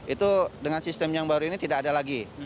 itu dengan sistem yang baru ini tidak ada lagi